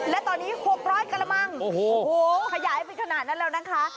และตอนนี้๖๐๐กระมังโอ้โหขยายไปขนาดนั้นแล้วนะคะ